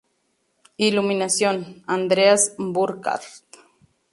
Iluminación: Andreas Burkhard.